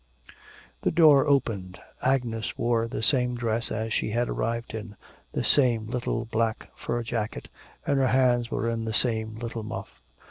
The door opened. Agnes wore the same dress as she had arrived in, the same little black fur jacket, and her hands were in the same little muff.